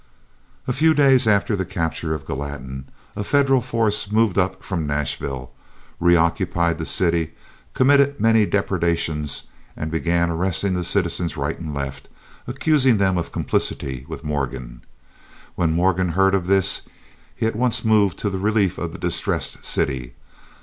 A few days after the capture of Gallatin, a Federal force moved up from Nashville, reoccupied the city, committed many depredations, and began arresting the citizens right and left, accusing them of complicity with Morgan. When Morgan heard of this he at once moved to the relief of the distressed city.